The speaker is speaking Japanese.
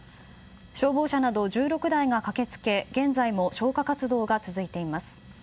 消防車など１６台が駆けつけ現在も初夏活動が続いています。